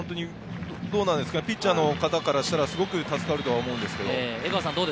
ピッチャーの方からしたら非常に助かると思うんですけど。